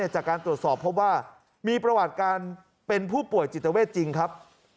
จากการตรวจสอบพบว่ามีประวัติการเป็นผู้ป่วยจิตเวทจริงครับ